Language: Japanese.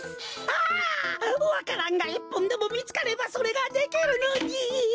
ああわか蘭がいっぽんでもみつかればそれができるのに。